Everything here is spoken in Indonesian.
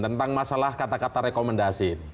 tentang masalah kata kata rekomendasi ini